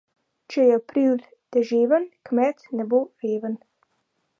Če je april deževen, kmet ne bo reven.